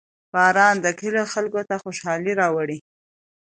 • باران د کلیو خلکو ته خوشحالي راوړي.